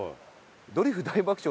『ドリフ大爆笑』